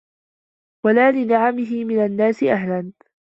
وَلَا لِنِعَمِهِ مِنْ النَّاسِ أَهْلًا